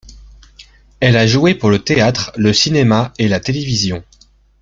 Elle a joué pour le théâtre, le cinéma et la télévision.